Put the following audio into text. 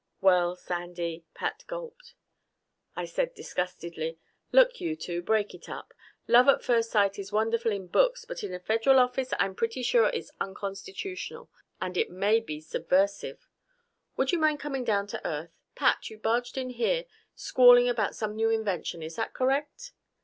"Well, Sandy " Pat gulped. I said disgustedly, "Look, you two break it up! Love at first sight is wonderful in books, but in a Federal office I'm pretty sure it's unconstitutional, and it may be subversive. Would you mind coming down to earth? Pat, you barged in here squalling about some new invention. Is that correct?"